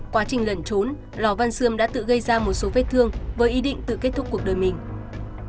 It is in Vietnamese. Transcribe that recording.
quá trình lẩn trốn lò văn xương đã tự gây ra một số vết thương với ý định tự kết thúc cuộc đời mình